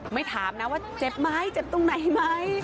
ไม่ถามนะว่าเจ็บไม่แต่ตรงไหนที่ไม่